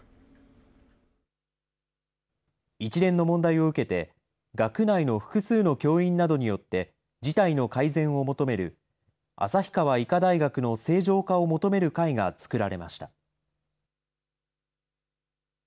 一連の問題を受けて、学内の複数の教員などによって、事態の改善を求める旭川医科大学の正常化を求める会が作られました。